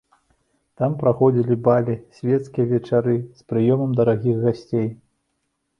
Там праходзілі балі, свецкія вечары з прыёмам дарагіх гасцей.